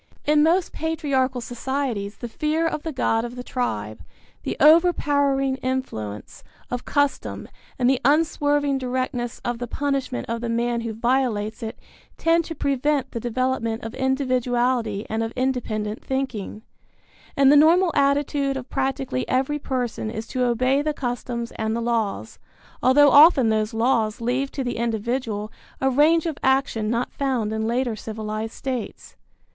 In most patriarchal societies the fear of the god of the tribe, the overpowering influence of custom and the unswerving directness of the punishment of the man who violates it tend to prevent the development of individuality and of independent thinking; and the normal attitude of practically every person is to obey the customs and the laws, although often those laws leave to the individual a range of action not found in later civilized states.